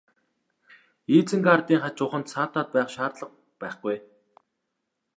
Изенгардын хажууханд саатаад байх шаардлага байхгүй.